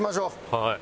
はい。